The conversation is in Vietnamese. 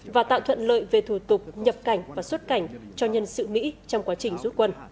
và tạo thuận lợi về thủ tục nhập cảnh và xuất cảnh cho nhân sự mỹ trong quá trình rút quân